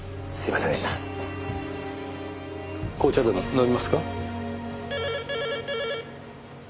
紅茶でも飲みますか？